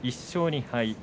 １勝２敗。